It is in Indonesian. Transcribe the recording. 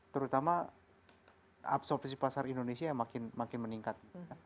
terutama absorpsi pasar indonesia yang makin meningkat